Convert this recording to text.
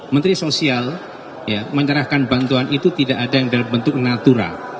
menteri sosial menyerahkan bantuan itu tidak ada yang dalam bentuk natura